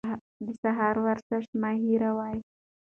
د سهار ورزش مه هېروئ.